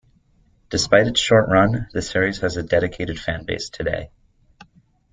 Despite its short run, the series has a dedicated fan base today.